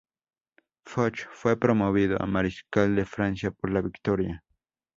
Foch fue promovido a Mariscal de Francia por la victoria.